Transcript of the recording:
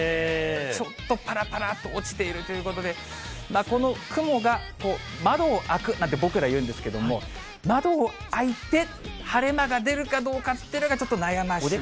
ちょっとぱらぱらっと落ちているということで、この雲が窓を開くなんて僕ら言うんですけど、窓を開いて、晴れ間が出るかどうかっていうのがちょっと悩ましい。